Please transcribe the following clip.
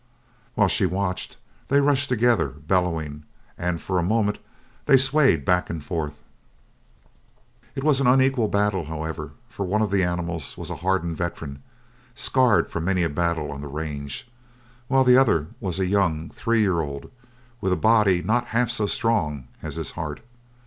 While she watched, they rushed together, bellowing, and for a moment they swayed back and forth. It was an unequal battle, however, for one of the animals was a hardened veteran, scarred from many a battle on the range, while the other was a young three year old with a body not half so strong as his heart.